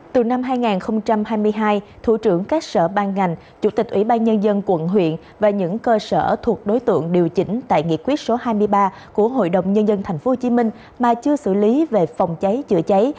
từ năm hai nghìn hai mươi hai thủ trưởng cát sở ban ngành chủ tịch ủy ban nhân dân quận huyện và những cơ sở thuộc đối tượng điều chỉnh tại nghị quyết số hai mươi ba của hnthh mà chưa xử lý về phòng cháy chữa cháy